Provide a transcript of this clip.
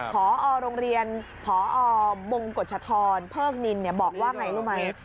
พอโรงเรียนพอมงกฎชธรเพิกนินบอกว่าไงรู้ไหม